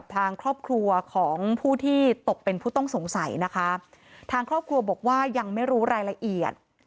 ทางครอบครัวบอกว่ายังไม่รู้รายละเอียด